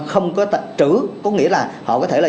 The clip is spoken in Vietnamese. không có trữ có nghĩa là họ có thể là